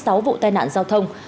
tuy nhiên tình hình giao thông